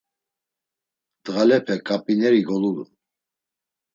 Ndğalepe k̆apineri golulun.